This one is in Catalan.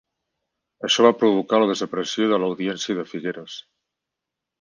Això va provocar la desaparició de l'Audiència de Figueres.